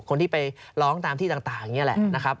คนที่ไปร้องตามที่ต่างอย่างนี้แหละนะครับ